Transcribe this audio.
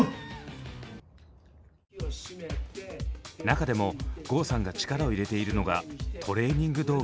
中でも郷さんが力を入れているのが「トレーニング動画」。